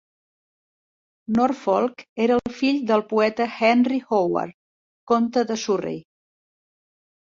Norfolk era el fill del poeta Henry Howard, comte de Surrey.